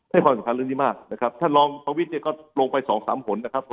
ให้ความสำคัญเรื่องนี้มากนะครับถ้าลองภาควิทย์เนี่ยก็ลงไป๒๓ผลนะครับ